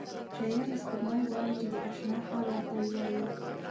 شاعر له سپوږمۍ غواړي چې د اشنا حال ورته ووایي.